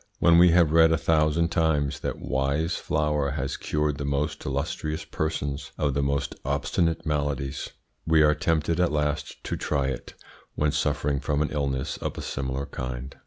When we have read a thousand times that Y's flour has cured the most illustrious persons of the most obstinate maladies, we are tempted at last to try it when suffering from an illness of a similar kind.